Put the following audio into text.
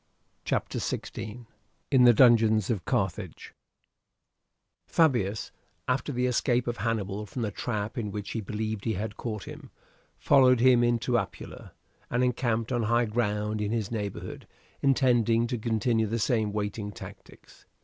CHAPTER XVI: IN THE DUNGEONS OF CARTHAGE Fabius, after the escape of Hannibal from the trap in which he believed he had caught him, followed him into Apulia, and encamped on high ground in his neighbourhood intending to continue the same waiting tactics.